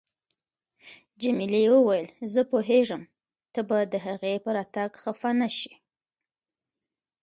جميلې وويل: زه پوهیږم ته به د هغې په راتګ خفه نه شې.